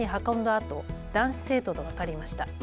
あと男子生徒と分かりました。